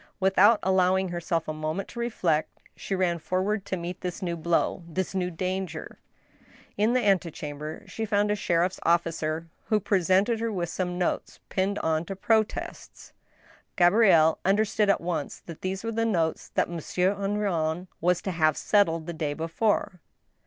Without allowing herself a moment to reflect, she ran forward to meet this new blow — this new danger. In the antechamber she found a sheriff's officer, who presented her with some notes pinned on to protests. Gabrielle understood at once that these were the notes that Monsieur Henrion was to have settled the day before.